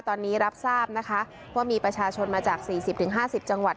ตอนนี้รับทราบนะคะว่ามีประชาชนมาจากสี่สิบถึงห้าสิบจังหวัด